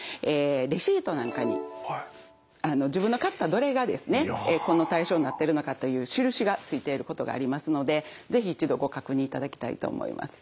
レシートなんかに自分の買ったどれがですねこの対象になってるのかという印がついていることがありますので是非一度ご確認いただきたいと思います。